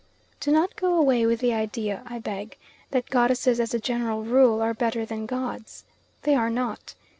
Do not go away with the idea, I beg, that goddesses as a general rule, are better than gods. They are not.